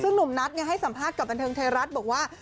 ซึ่งหนุ่มนัทให้สัมภาษณ์กับบันเทิงไทยรัฐบอกว่า